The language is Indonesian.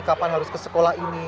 kapan harus ke sekolah ini